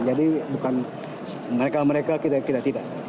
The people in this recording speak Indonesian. jadi bukan mereka mereka kita tidak tidak